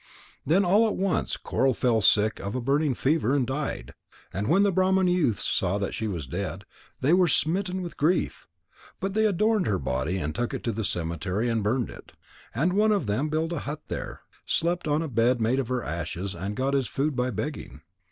Then all at once Coral fell sick of a burning fever and died. And when the Brahman youths saw that she was dead, they were smitten with grief. But they adorned her body, took it to the cemetery, and burned it. And one of them built a hut there, slept on a bed made of her ashes, and got his food by begging.